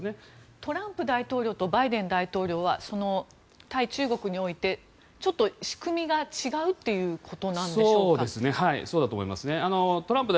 トランプ前大統領とバイデン大統領は対中国においてちょっと仕組みが違うということなんでしょうか。